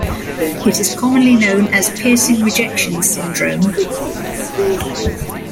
It is commonly known as piercing rejection syndrome.